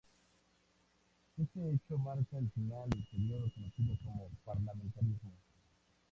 Este hecho marca el fin del período conocido como Parlamentarismo.